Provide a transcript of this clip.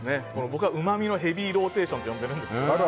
僕はうまみのヘビーローテーションと呼んでるんですが。